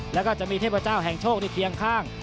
แล้วก็จะมีเทพเจ้าแห่งโชคที่เคียงข้าง